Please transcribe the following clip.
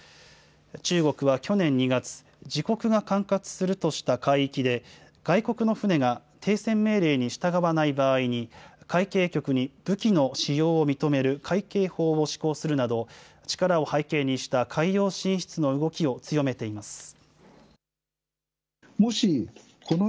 中国は去年２月、自国が管轄するとした海域で、外国の船が停船命令に従わない場合に、海警局に武器の使用を認める海警法を施行するなど、力を背景にした海洋進出の動きを強めています。